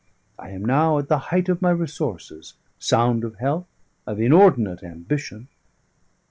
I am now at the height of my resources, sound of health, of inordinate ambition.